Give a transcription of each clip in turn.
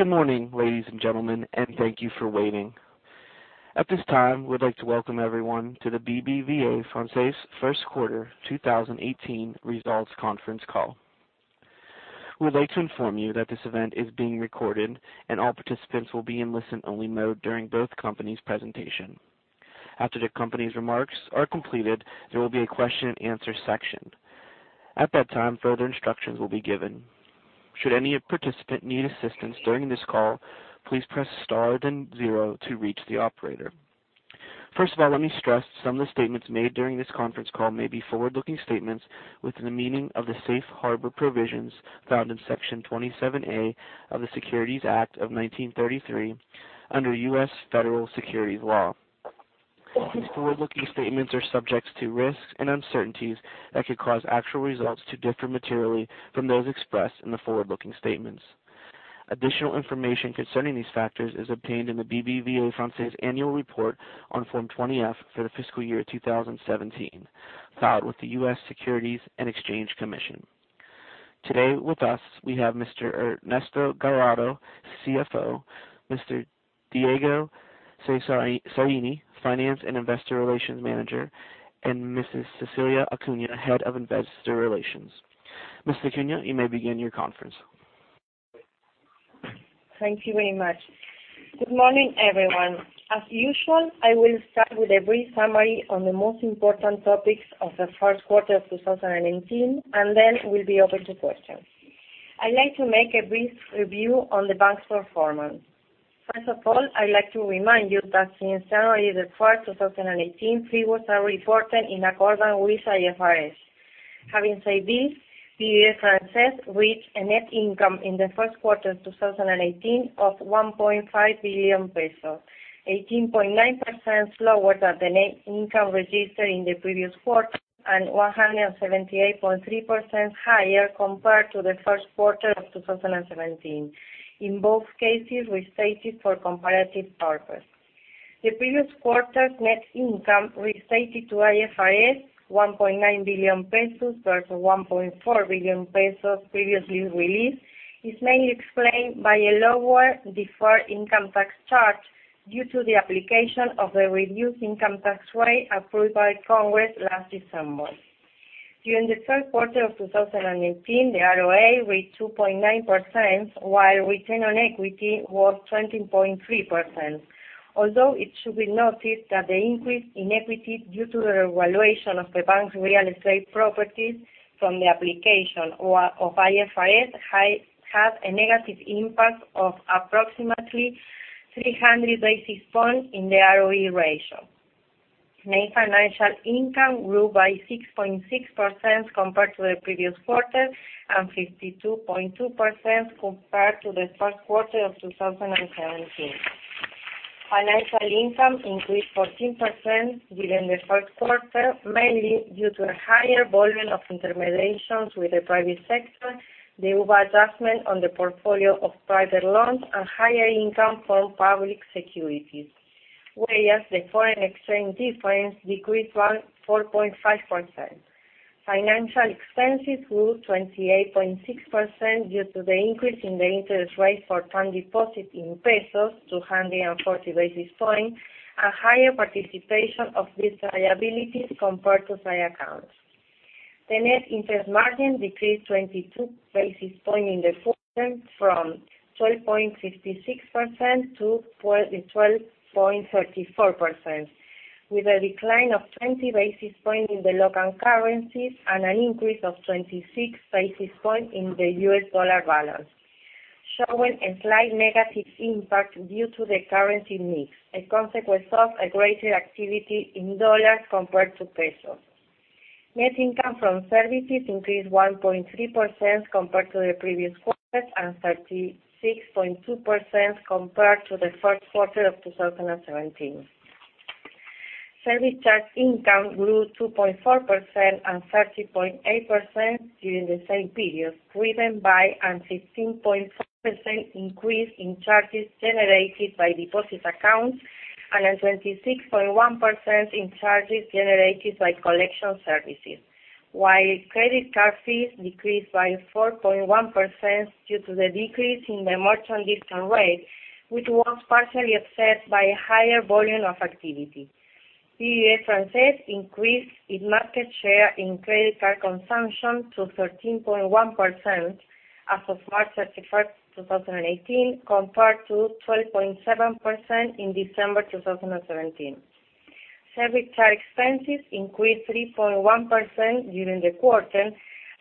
Good morning, ladies and gentlemen, and thank you for waiting. At this time, we'd like to welcome everyone to the BBVA Francés first quarter 2018 results conference call. We'd like to inform you that this event is being recorded, and all participants will be in listen-only mode during both companies' presentation. After the companies' remarks are completed, there will be a question and answer section. At that time, further instructions will be given. Should any participant need assistance during this call, please press star then zero to reach the operator. First of all, let me stress that some of the statements made during this conference call may be forward-looking statements within the meaning of the Safe Harbor Provisions found in Section 27A of the Securities Act of 1933 under U.S. Federal Securities Law. These forward-looking statements are subject to risks and uncertainties that could cause actual results to differ materially from those expressed in the forward-looking statements. Additional information concerning these factors is obtained in the BBVA Francés Annual Report on Form 20-F for the fiscal year 2017, filed with the U.S. Securities and Exchange Commission. Today with us, we have Mr. Ernesto Gallardo, CFO, Mr. Diego Cesarini, Finance and Investor Relations Manager, and Mrs. Cecilia Acuña, Head of Investor Relations. Ms. Acuña, you may begin your conference. Thank you very much. Good morning, everyone. As usual, I will start with a brief summary on the most important topics of the first quarter of 2018, and then we'll be open to questions. I'd like to make a brief review on the bank's performance. First of all, I like to remind you that since January 4th, 2018, figures are reported in accordance with IFRS. Having said this, BBVA Francés reached a net income in the first quarter of 2018 of 1.5 billion pesos, 18.9% lower than the net income registered in the previous quarter and 178.3% higher compared to the first quarter of 2017. In both cases, restated for comparative purpose. The previous quarter's net income restated to IFRS, 1.9 billion pesos versus 1.4 billion pesos previously released, is mainly explained by a lower deferred income tax charge due to the application of the reduced income tax rate approved by Congress last December. During the first quarter of 2018, the ROA reached 2.9%, while return on equity was 20.3%. Although it should be noticed that the increase in equity due to the revaluation of the bank's real estate properties from the application of IFRS had a negative impact of approximately 300 basis points in the ROE ratio. Net financial income grew by 6.6% compared to the previous quarter and 52.2% compared to the first quarter of 2017. Financial income increased 14% during the first quarter, mainly due to a higher volume of intermediations with the private sector, the UVA adjustment on the portfolio of private loans, and higher income from public securities. The foreign exchange difference decreased by 4.5%. Financial expenses grew 28.6% due to the increase in the interest rate for time deposit in ARS, 240 basis points, and higher participation of these liabilities compared to sight accounts. The net interest margin decreased 22 basis points in the quarter from 12.66% to 12.34%, with a decline of 20 basis points in the local currencies and an increase of 26 basis points in the US dollar balance, showing a slight negative impact due to the currency mix, a consequence of a greater activity in USD compared to ARS. Net income from services increased 1.3% compared to the previous quarter and 36.2% compared to the first quarter of 2017. Service charge income grew 2.4% and 30.8% during the same period, driven by a 15.4% increase in charges generated by deposit accounts and a 26.1% in charges generated by collection services. Credit card fees decreased by 4.1% due to the decrease in the merchant discount rate, which was partially offset by a higher volume of activity. BBVA Francés increased its market share in credit card consumption to 13.1% as of March 31st, 2018, compared to 12.7% in December 2017. Service charge expenses increased 3.1% during the quarter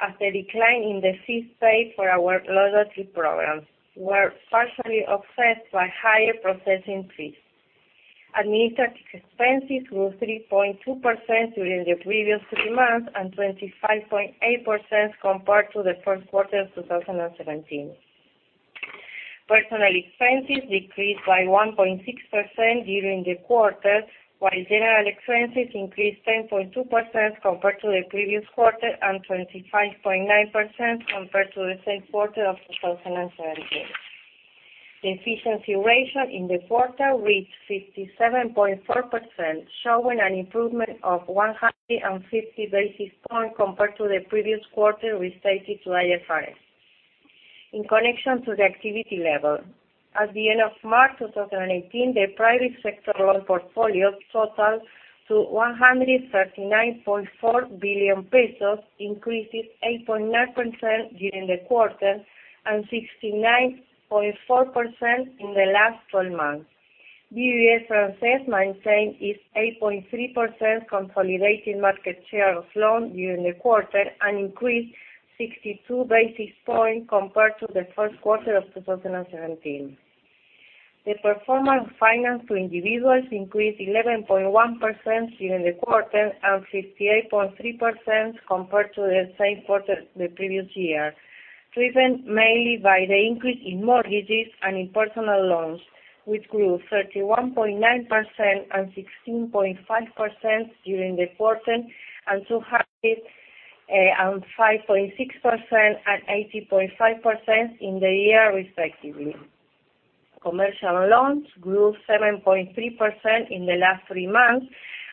as the decline in the fees paid for our loyalty programs were partially offset by higher processing fees. Administrative expenses grew 3.2% during the previous three months and 25.8% compared to the first quarter of 2017. Personnel expenses decreased by 1.6% during the quarter. General expenses increased 10.2% compared to the previous quarter and 25.9% compared to the same quarter of 2017. The efficiency ratio in the quarter reached 57.4%, showing an improvement of 150 basis points compared to the previous quarter restated to IFRS. In connection to the activity level, at the end of March 2018, the private sector loan portfolio totaled 139.4 billion pesos, increasing 8.9% during the quarter and 69.4% in the last 12 months. BBVA Francés maintained its 8.3% consolidated market share of loans during the quarter and increased 62 basis points compared to the first quarter of 2017. The performance finance to individuals increased 11.1% during the quarter and 58.3% compared to the same quarter the previous year, driven mainly by the increase in mortgages and in personal loans, which grew 31.9% and 16.5% during the quarter, and 5.6% and 80.5% in the year respectively. Commercial loans grew 7.3% in the last three months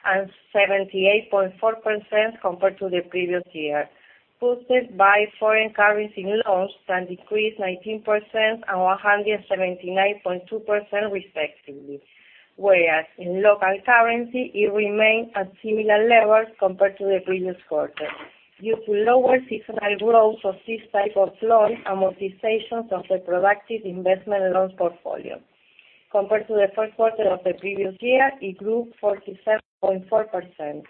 and 78.4% compared to the previous year, boosted by foreign currency loans that decreased 19% and 179.2% respectively. In local currency, it remained at similar levels compared to the previous quarter due to lower seasonal growth of this type of loans and amortizations of the productive investment loans portfolio. Compared to the first quarter of the previous year, it grew 47.4%.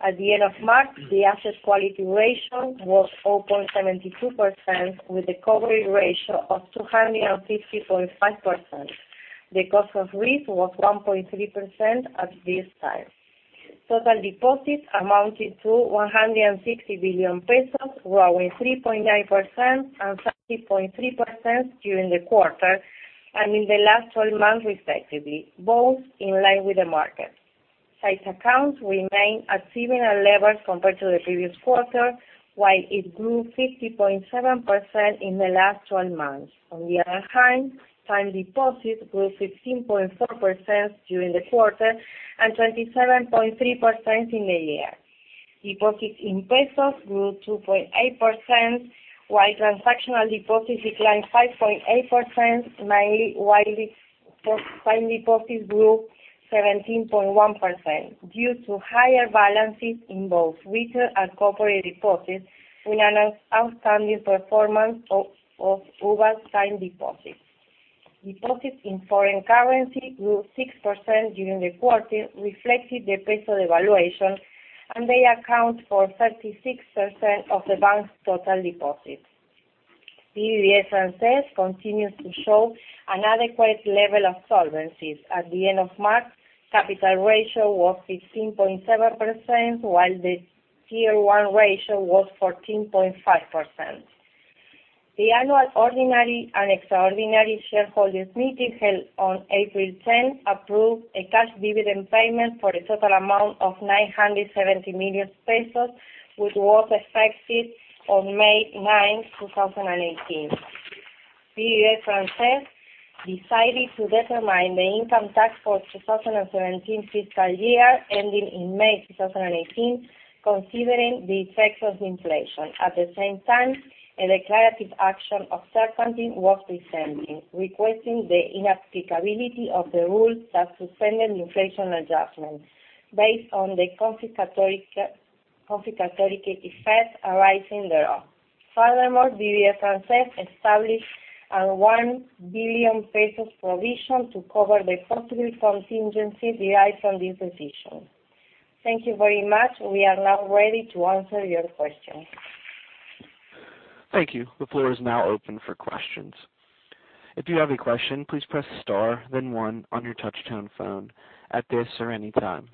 At the end of March, the asset quality ratio was 0.72%, with a coverage ratio of 250.5%. The cost of risk was 1.3% at this time. Total deposits amounted to 160 billion pesos, growing 3.9% and 30.3% during the quarter and in the last 12 months respectively, both in line with the market. Sight accounts remained at similar levels compared to the previous quarter, while it grew 50.7% in the last 12 months. On the other hand, time deposits grew 15.4% during the quarter and 27.3% in the year. Deposits in ARS grew 2.8%, while transactional deposits declined 5.8%, mainly while time deposits grew 17.1%, due to higher balances in both retail and corporate deposits, with an outstanding performance of UVA time deposits. Deposits in foreign currency grew 6% during the quarter, reflecting the ARS devaluation, and they account for 36% of the bank's total deposits. BBVA Francés continues to show an adequate level of solvency. At the end of March, capital ratio was 15.7%, while the Tier 1 ratio was 14.5%. The annual ordinary and extraordinary shareholders meeting held on April 10 approved a cash dividend payment for a total amount of 970 million pesos, which was effective on May 9, 2018. BBVA Francés decided to determine the income tax for 2017 fiscal year, ending in May 2018, considering the effects of inflation. At the same time, a declarative action of certainty was presented, requesting the inapplicability of the rule that suspended inflation adjustments based on the confiscatory effect arising thereof. Furthermore, BBVA Francés established a 1 billion pesos provision to cover the possible contingency derived from this decision. Thank you very much. We are now ready to answer your questions. Thank you. The floor is now open for questions. If you have a question, please press star then one on your touch-tone phone at this or any time.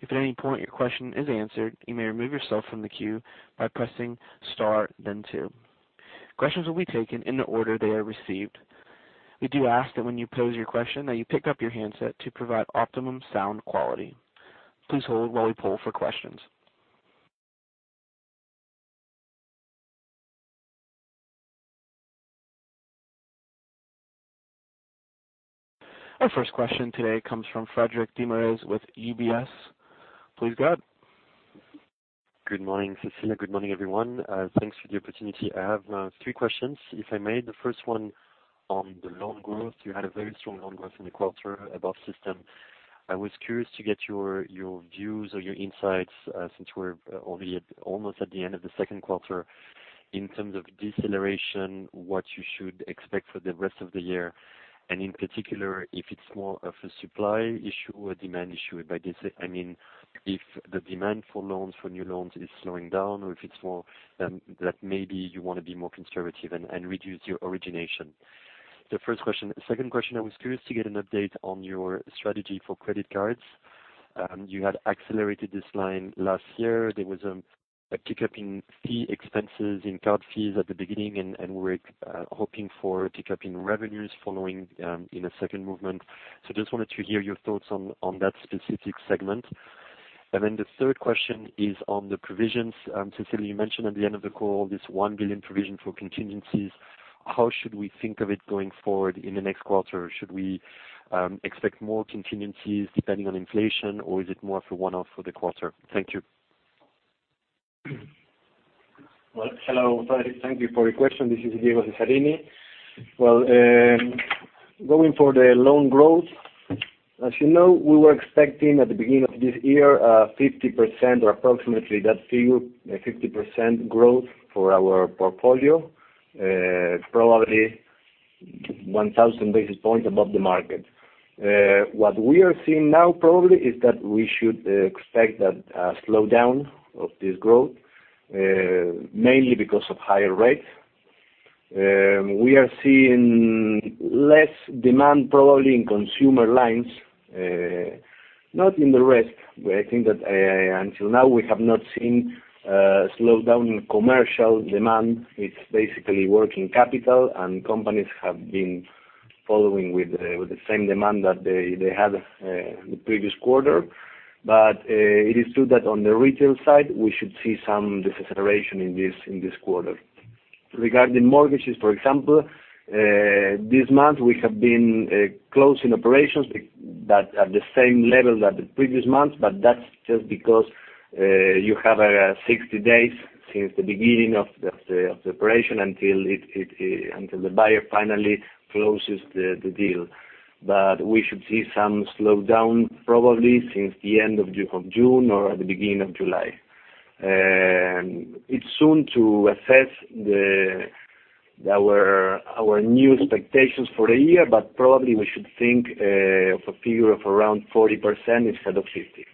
If at any point your question is answered, you may remove yourself from the queue by pressing star then two. Questions will be taken in the order they are received. We do ask that when you pose your question, that you pick up your handset to provide optimum sound quality. Please hold while we poll for questions. Our first question today comes from Frederic de Mariz with UBS. Please go ahead. Good morning, Cecilia. Good morning, everyone. Thanks for the opportunity. I have three questions. If I may, the first one on the loan growth. You had a very strong loan growth in the quarter above system. I was curious to get your views or your insights, since we're already almost at the end of the second quarter, in terms of deceleration, what you should expect for the rest of the year. In particular, if it's more of a supply issue or demand issue. By this, I mean if the demand for loans, for new loans, is slowing down or if it's more that maybe you want to be more conservative and reduce your origination. The first question. Second question, I was curious to get an update on your strategy for credit cards. You had accelerated this line last year. There was a kick-up in fee expenses in card fees at the beginning, and we're hoping for a kick-up in revenues following in a second movement. Just wanted to hear your thoughts on that specific segment. The third question is on the provisions. Cecilia, you mentioned at the end of the call this 1 billion provision for contingencies. How should we think of it going forward in the next quarter? Should we expect more contingencies depending on inflation, or is it more for one-off for the quarter? Thank you. Well, hello. Thank you for your question. This is Diego Cesarini. Well, going for the loan growth, as you know, we were expecting at the beginning of this year, 50% or approximately that figure, 50% growth for our portfolio, probably 1,000 basis points above the market. What we are seeing now probably is that we should expect that slowdown of this growth, mainly because of higher rates. We are seeing less demand, probably in consumer lines, not in the rest, where I think that until now, we have not seen a slowdown in commercial demand. It's basically working capital, and companies have been following with the same demand that they had the previous quarter. It is true that on the retail side, we should see some deceleration in this quarter. Regarding mortgages, for example, this month we have been closing operations at the same level as the previous month, but that's just because you have 60 days from the beginning of the operation until the buyer finally closes the deal. We should see some slowdown probably since the end of June or the beginning of July. It's soon to assess our new expectations for the year, but probably we should think of a figure of around 40% instead of 50.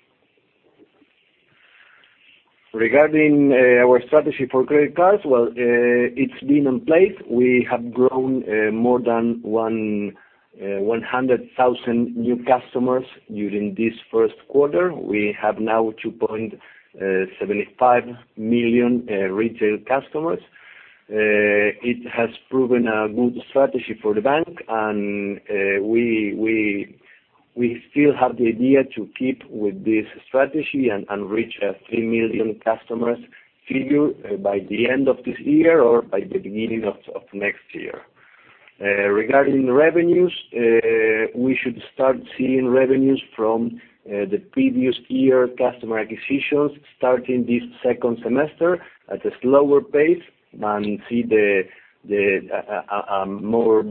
Regarding our strategy for credit cards, well, it's been in place. We have grown more than 100,000 new customers during this first quarter. We have now 2.75 million retail customers. It has proven a good strategy for the bank, and we still have the idea to keep with this strategy and reach a 3 million customers figure by the end of this year or by the beginning of next year. Regarding revenues, we should start seeing revenues from the previous year customer acquisitions starting this second semester at a slower pace and see the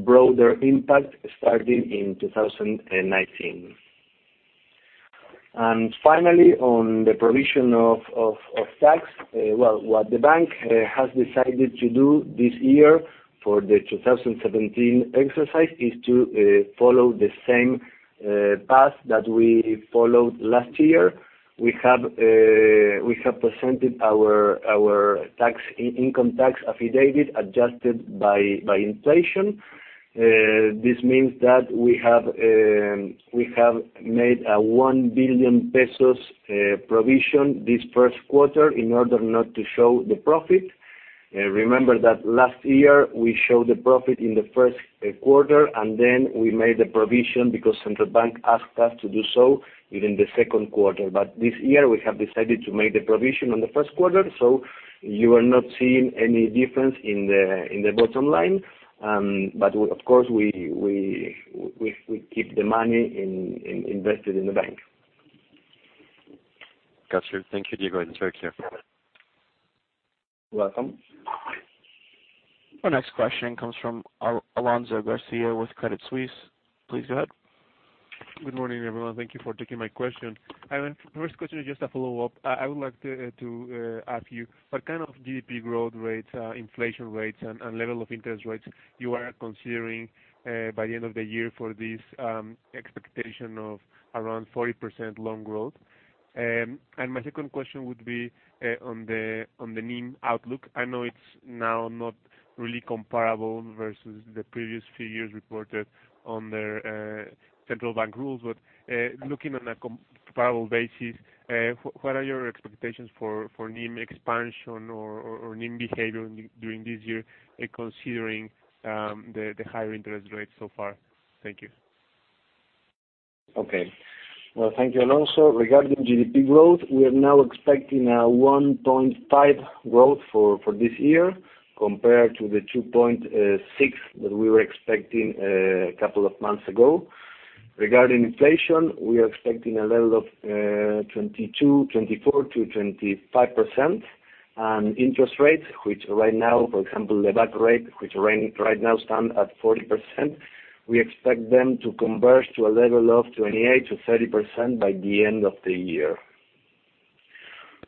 broader impact starting in 2019. Finally, on the provision of tax, well, what the bank has decided to do this year for the 2017 exercise is to follow the same path that we followed last year. We have presented our income tax affidavit adjusted by inflation. This means that we have made 1 billion pesos provision this first quarter in order not to show the profit. Remember that last year we showed the profit in the first quarter, and then we made the provision because Central Bank asked us to do so during the second quarter. This year, we have decided to make the provision on the first quarter, so you are not seeing any difference in the bottom line, but of course, we keep the money invested in the bank. Got you. Thank you, Diego, and take care. You're welcome. Our next question comes from Alonso Garcia with Credit Suisse. Please go ahead. Good morning, everyone. Thank you for taking my question. First question is just a follow-up. I would like to ask you what kind of GDP growth rates, inflation rates, and level of interest rates you are considering by the end of the year for this expectation of around 40% loan growth. My second question would be on the NIM outlook. I know it's now not really comparable versus the previous few years reported on their Central Bank rules. Looking on a comparable basis, what are your expectations for NIM expansion or NIM behavior during this year considering the higher interest rates so far? Thank you. Okay. Well, thank you, Alonso. Regarding GDP growth, we are now expecting a 1.5 growth for this year compared to the 2.6 that we were expecting a couple of months ago. Regarding inflation, we are expecting a level of 22, 24 to 25%. Interest rates, which right now, for example, LEBAC rate, which right now stands at 40%, we expect them to converge to a level of 28% to 30% by the end of the year.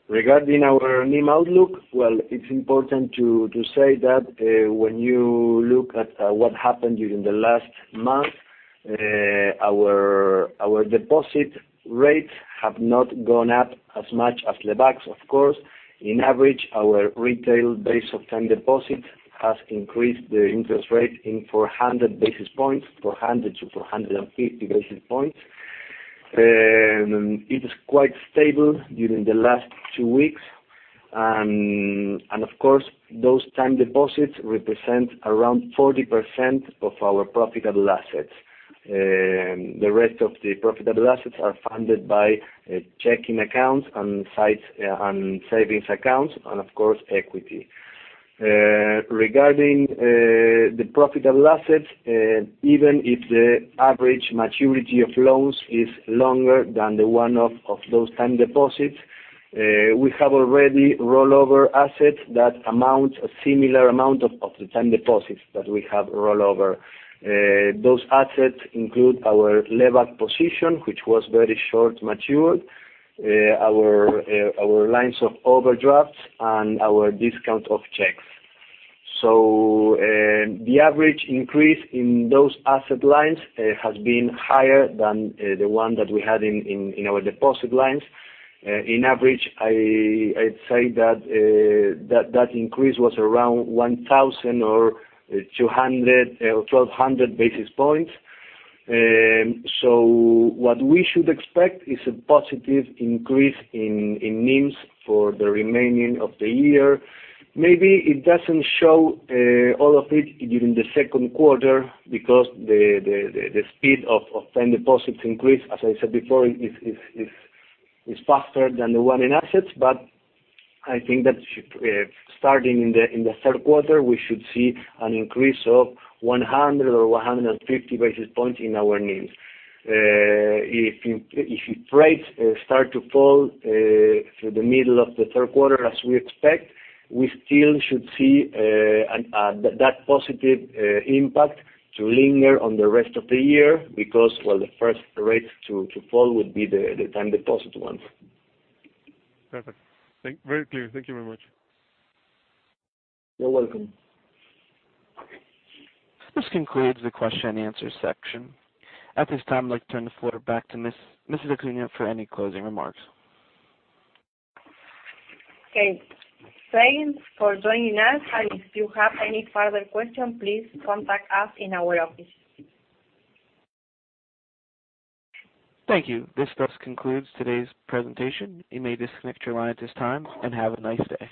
Regarding our NIM outlook, well, it's important to say that when you look at what happened during the last month, our deposit rates have not gone up as much as LEBACs, of course. On average, our retail base of time deposit has increased the interest rate in 400 basis points, 400 to 450 basis points. It is quite stable during the last two weeks. Of course, those time deposits represent around 40% of our profitable assets. The rest of the profitable assets are funded by checking accounts and savings accounts, and of course, equity. Regarding the profitable assets, even if the average maturity of loans is longer than the one of those time deposits, we have already rollover assets that amount a similar amount of the time deposits that we have rollover. Those assets include our levered position, which was very short mature, our lines of overdrafts, and our discount of checks. The average increase in those asset lines has been higher than the one that we had in our deposit lines. In average, I'd say that increase was around 1,000 or 1,200 basis points. What we should expect is a positive increase in NIMs for the remaining of the year. Maybe it doesn't show all of it during the second quarter because the speed of time deposits increase, as I said before, is faster than the one in assets. I think that starting in the third quarter, we should see an increase of 100 or 150 basis points in our NIMs. If rates start to fall through the middle of the third quarter as we expect, we still should see that positive impact to linger on the rest of the year because, well, the first rates to fall would be the time deposit ones. Perfect. Very clear. Thank you very much. You're welcome. This concludes the question and answer section. At this time, I'd like to turn the floor back to Mrs. Acuña for any closing remarks. Okay. Thanks for joining us. If you have any further questions, please contact us in our office. Thank you. This just concludes today's presentation. You may disconnect your line at this time, and have a nice day.